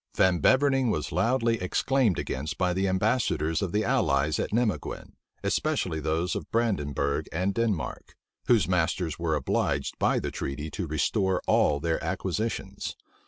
Van Beverning was loudly exclaimed against by the ambassadors of the allies at Nimeguen, especially those of Brandenburg and Denmark, whose masters were obliged by the treaty to restore all their acquisitions.